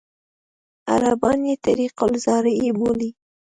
عربان یې طریق الزراعي بولي.